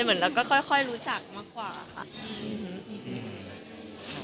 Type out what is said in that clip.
เหมือนเราก็ค่อยรู้จักมากกว่าค่ะ